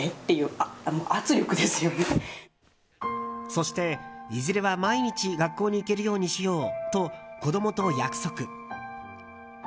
そして、いずれは毎日学校に行けるようにしようと子供と約束。